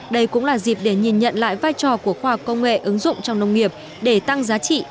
đây cũng là dịp để nhìn nhận lại vai trò của khoa học công nghệ ứng dụng trong nông nghiệp để tăng giá trị